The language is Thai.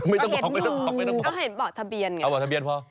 ไม่ต้องบอกไม่ต้องบอกทะเปียนไงเอ้าบอกทะเปียนพอ